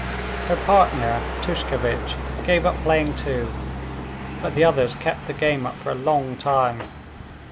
Her partner, Tushkevitch, gave up playing too, but the others kept the game up for a long time.